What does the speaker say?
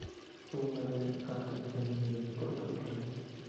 Hubo nueve abstenciones y dos votos nulos.